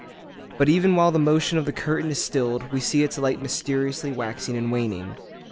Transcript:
But even while the motion of the curtain is stilled we see its light mysteriously waxing and waning.